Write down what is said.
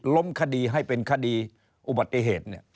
ล้มคดีให้เป็นคดีอุบัติเหตุ